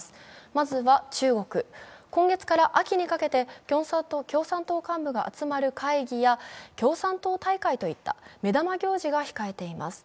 まずは中国、今月から秋にかけて共産党幹部が集まる会議や共産党大会といった目玉行事が控えています。